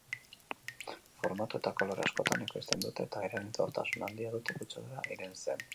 Formatu eta kolore askotan ekoizten dute, eta eraginkortasun handia dute kutsadura irensten.